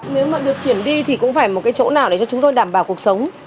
nếu mà được chuyển đi thì cũng phải một cái chỗ nào để cho chúng tôi đảm bảo cuộc sống